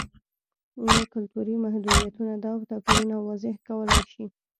نه کلتوري محدودیتونه دا توپیرونه واضح کولای شي.